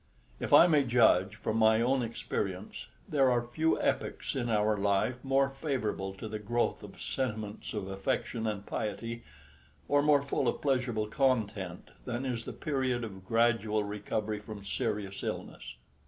If I may judge from my own experience, there are few epochs in our life more favourable to the growth of sentiments of affection and piety, or more full of pleasurable content, than is the period of gradual recovery from serious illness.